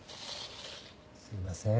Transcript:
すいません。